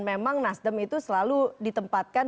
memang nasdem itu selalu ditempatkan